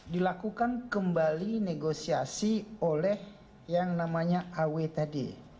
dilakukan kembali negosiasi oleh yang namanya aw tadi